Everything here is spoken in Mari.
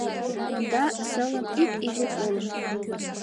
Конда сылым ик изи колым